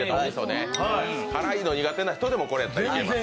辛いの苦手な人でもこれやったらいけます。